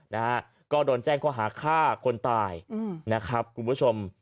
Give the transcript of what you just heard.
นะฮะก็โดนแจ้งข้อหาฆ่าคนตายอืมนะครับคุณผู้ชม